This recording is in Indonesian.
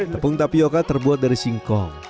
tepung tapioca terbuat dari singkong